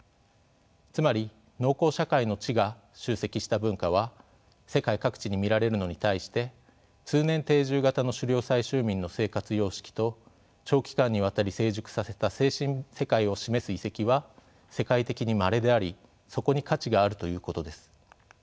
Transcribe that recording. つまり農耕社会の知が集積した文化は世界各地に見られるのに対して通年定住型の狩猟採集民の生活様式と長期間にわたり成熟させた精神世界を示す遺跡は世界的にまれでありそこに価値があるということです。